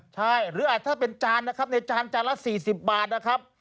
ใช่หรือถ้าเป็นจานนะครับในจานจานละ๔๐บาทนะครับ